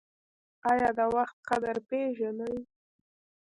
ایا د وخت قدر پیژنئ؟